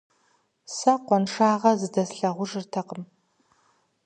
Сэ къуаншагъэ зыдэслъагъужыртэкъым.